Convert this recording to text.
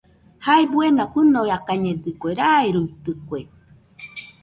Jae buena fɨnoakañedɨkue, rairuitɨkue.